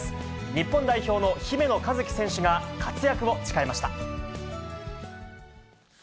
日本代表の姫野和樹選手が活躍を誓いました。